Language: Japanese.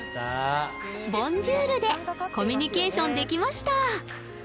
「ボンジュール」でコミュニケーションできました